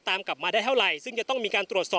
พร้อมด้วยผลตำรวจเอกนรัฐสวิตนันอธิบดีกรมราชทัน